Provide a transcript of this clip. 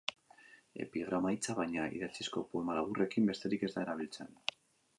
Epigrama hitza, baina, idatzizko poema laburrekin besterik ez da erabiltzen.